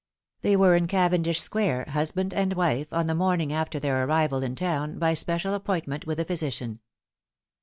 They were in Cavendish Square, husband and wife, on the morning after their arrival in town, by special appointment with the physician.